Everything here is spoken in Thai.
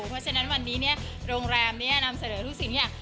เพราะฉะนั้นวันนี้เนี่ยโรงแรมเนี่ยนำเสนอทุกสิ่งเนี่ย